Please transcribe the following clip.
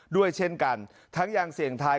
ด้วยเช่นกันทั้งยังเสี่ยงทาย